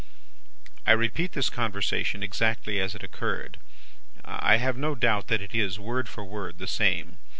"I repeat this conversation exactly as it occurred. I have no doubt that it is, word for word, the same.